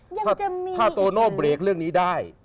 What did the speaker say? ยังมีถ้าโตโน่เบรกเรื่องนี้ได้